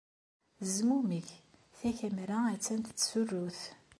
Zmumeg. Takamra attan tettsurrut.